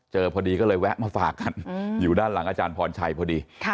พอดีก็เลยแวะมาฝากกันอยู่ด้านหลังอาจารย์พรชัยพอดี